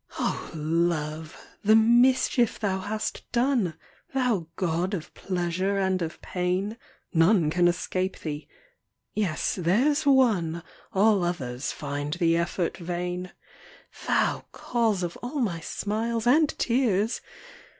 LOVE ! the mischief thou hast done ! Thou god of pleasure and of pain ! None can escape thee yes there s one All others find the effort vain : Thou cause of all my smiles and tears